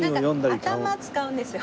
頭使うんですよ。